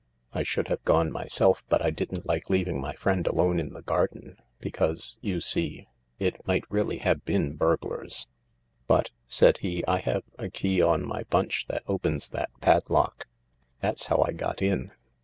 I should have gone myself but I didn't like leaving my friend alone in the garden, because, you see, it might really have been burglars." " But," said he, M I have a key on my bunch that opens that padlock— that's how I got in.